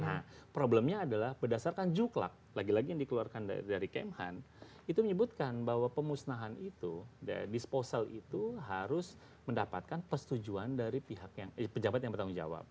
nah problemnya adalah berdasarkan juklak lagi lagi yang dikeluarkan dari kemhan itu menyebutkan bahwa pemusnahan itu disposal itu harus mendapatkan persetujuan dari pihak yang pejabat yang bertanggung jawab